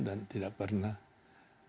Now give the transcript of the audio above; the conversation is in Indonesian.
dan tidak pernah mengintervensi